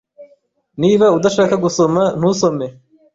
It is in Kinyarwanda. Niba udashaka gusoma, ntusome.